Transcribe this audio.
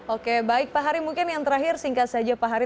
oke baik pak hari mungkin yang terakhir singkat saja pak hari